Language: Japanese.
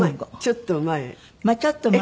ちょっと前。